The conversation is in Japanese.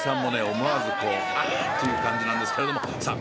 思わずこうあっ！っていう感じなんですけれどもさあ